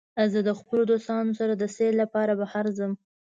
زه د خپلو دوستانو سره د سیل لپاره بهر ځم.